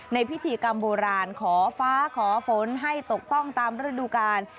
ในพิธีกรรมโบราณขอฟ้าขอฝนให้ตกต้องตามฤดูกาล